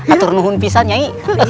atur nuhun pisan nyai